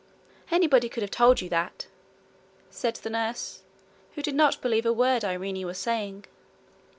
'Anybody could have told you that,' said the nurse, who did not believe a word Irene was saying.